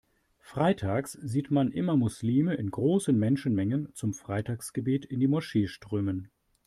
Freitags sieht man immer Muslime in großen Menschenmengen zum Freitagsgebet in die Moschee strömen.